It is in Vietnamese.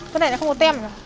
cái này nó không có tem à